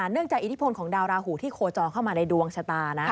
จากอิทธิพลของดาวราหูที่โคจรเข้ามาในดวงชะตานะ